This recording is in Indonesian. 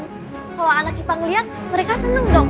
kalau anak ipa ngeliat mereka sendiri